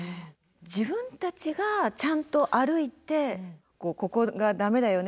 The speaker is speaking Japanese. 自分たちがちゃんと歩いて「ここが駄目だよね」